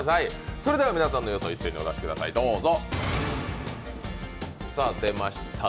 それでは皆さんの予想、一遍にお出しください、どうぞ。